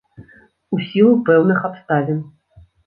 У сілу пэўных абставін.